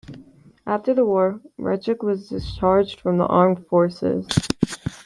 After the war, Rexach was discharged from the armed forces.